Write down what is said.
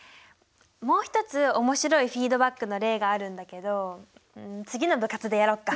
もう一つ面白いフィードバックの例があるんだけどうん次の部活でやろうか。